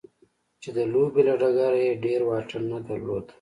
چې د لوبې له ډګره يې ډېر واټن نه درلود.